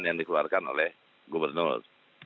yang dikeluarkan oleh gubernur